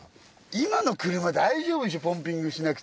今の車大丈夫でしょポンピングしなくても。